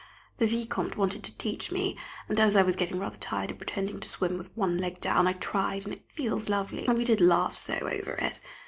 The Vicomte wanted to teach me, and as I was getting rather tired of pretending to swim with one leg down, I tried, and it feels lovely, and we did laugh so over it.